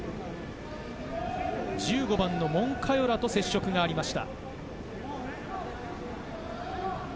１５番のモンカヨラと接触がありました。